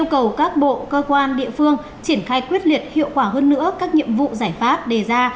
cầu các bộ cơ quan địa phương triển khai quyết liệt hiệu quả hơn nữa các nhiệm vụ giải pháp đề ra